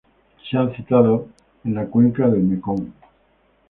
Se ha citado en la cuenca del Mekong.